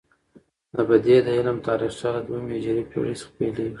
د بدیع د علم تاریخچه له دوهمې هجري پیړۍ څخه پيلیږي.